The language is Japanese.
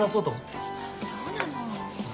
そうなの。